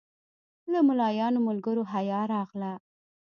له ملایانو ملګرو حیا راغله.